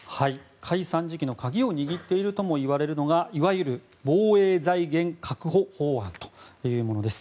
解散時期の鍵を握っているともいわれるのがいわゆる防衛財源確保法案というものです。